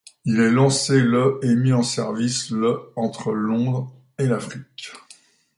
Il est lancé le et mis en service le entre Londres et l’Afrique.